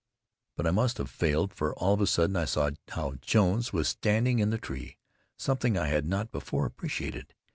But I must have failed, for all of a sudden I saw how Jones was standing in the tree, something I had not before appreciated.